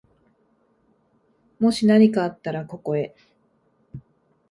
もしなにかあったら、ここへ。